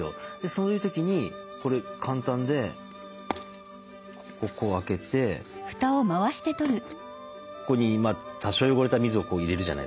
そういう時にこれ簡単でここ開けてここに多少汚れた水を入れるじゃないですか。